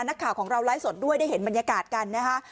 นักข่าวของเราไลฟ์สดด้วยได้เห็นบรรยากาศกันนะคะ